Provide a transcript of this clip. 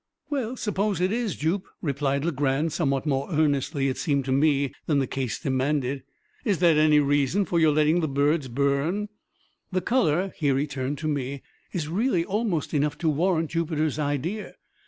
"Well, suppose it is, Jup," replied Legrand, somewhat more earnestly, it seemed to me, than the case demanded; "is that any reason for your letting the birds burn? The color " here he turned to me "is really almost enough to warrant Jupiter's idea.